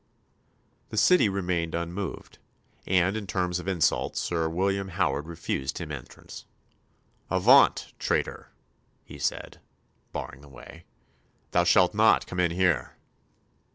The City remained unmoved; and, in terms of insult, Sir William Howard refused him entrance. "Avaunt, traitor," he said, barring the way, "thou shalt not come in here."